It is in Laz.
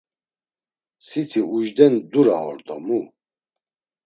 “Siti ujden dura or do mu!”